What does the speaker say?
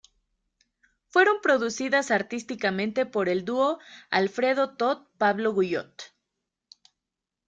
Fueron producidas artísticamente por el dúo Alfredo Toth-Pablo Guyot.